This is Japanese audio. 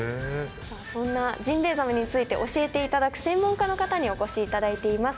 そんなジンベエザメについて教えていただく専門家の方にお越しいただいています。